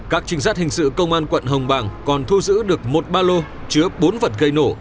các trinh sát hình sự công an quận hồng bàng còn thu giữ được một ba lô chứa bốn vật gây nổ